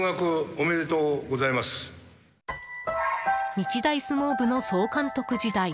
日大相撲部の総監督時代。